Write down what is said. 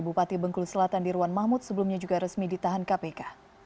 bupati bengkulu selatan dirwan mahmud sebelumnya juga resmi ditahan kpk